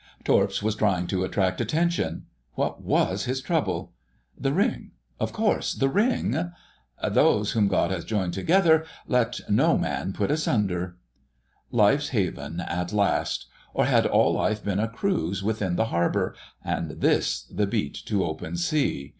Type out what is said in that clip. Torps was trying to attract attention—What was his trouble? The ring—Of course, the ring.... "Those whom, God hath joined together let no man put asunder." Life's haven at last! Or had all life been a cruise within the harbour: and this the beat to open sea